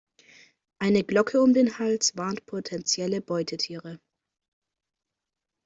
Eine Glocke um den Hals warnt potenzielle Beutetiere.